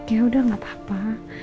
yaudah gak apa apa